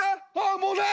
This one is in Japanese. もうない！